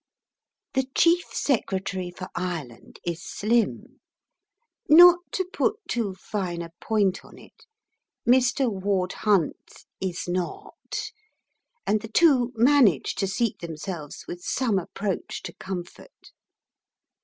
The Chief Secretary for Ireland is slim; not to put too fine a point on it, Mr. Ward Hunt is not, and the two manage to seat themselves with some approach to comfort.